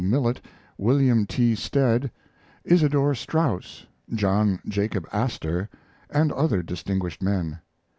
Millet, William T. Stead, Isadore Straus, John Jacob Astor, and other distinguished men.